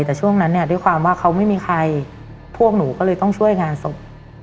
แต่ช่วงนั้นเนี่ยด้วยความว่าเขาไม่มีใครพวกหนูก็เลยต้องช่วยงานศพ